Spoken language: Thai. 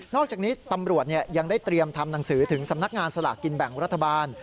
อกจากนี้ตำรวจยังได้เตรียมทำหนังสือถึงสำนักงานสลากกินแบ่งรัฐบาล